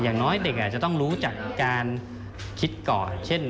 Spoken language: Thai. อย่างน้อยเด็กอาจจะต้องรู้จักการคิดก่อนเช่น